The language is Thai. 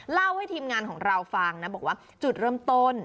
เล่าให้ทีมงานของเราฟังนะบอกว่าจุดเริ่มต้น